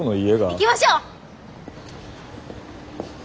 行きましょう！